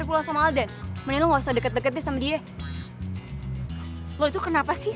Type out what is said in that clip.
punya pemikiran jelek tentang gue